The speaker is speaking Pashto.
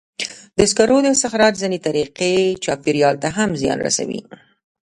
د سکرو د استخراج ځینې طریقې چاپېریال ته کم زیان رسوي.